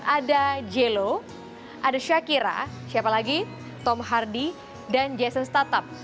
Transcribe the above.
ada jello ada shakira tom hardy dan jason statham